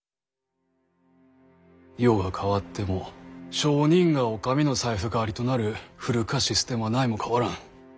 世が変わっても商人がお上の財布代わりとなる古かシステムは何も変わらん。